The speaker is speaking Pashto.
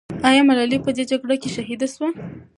آیا ملالۍ په دې جګړه کې شهیده سوه؟